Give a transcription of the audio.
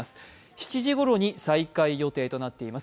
７時ごろに再開予定となっています